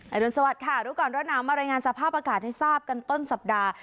รุนสวัสดิ์รู้ก่อนร้อนหนาวมารายงานสภาพอากาศให้ทราบกันต้นสัปดาห์